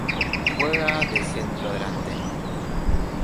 Juega de centrodelantero.